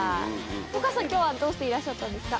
お母さん今日はどうしていらっしゃったんですか？